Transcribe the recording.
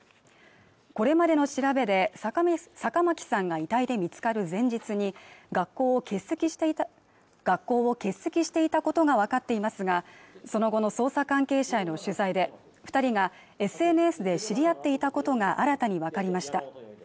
これまでの調べで坂巻さんが遺体で見つかる前日に学校を欠席していたことが分かっていますがその後の捜査関係者への取材で二人がＳＮＳで知り合っていたことが新たに分かりました